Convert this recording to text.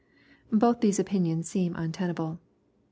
Both these opmions seem untenable.